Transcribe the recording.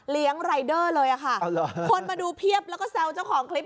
รายเดอร์เลยค่ะคนมาดูเพียบแล้วก็แซวเจ้าของคลิป